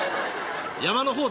山の方だ。